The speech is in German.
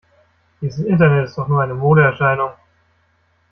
Dieses Internet ist doch nur eine Modeerscheinung!